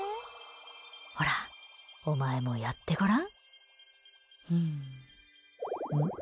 ほら、お前もやってごらん？